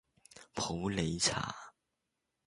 普洱茶